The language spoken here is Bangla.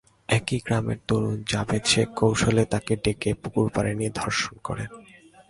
একই গ্রামের তরুণ জাবেদ শেখ কৌশলে তাঁকে ডেকে পুকুরপাড়ে নিয়ে ধর্ষণ করেন।